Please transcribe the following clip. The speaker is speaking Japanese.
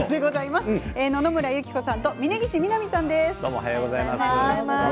野々村友紀子さんと峯岸みなみさんです。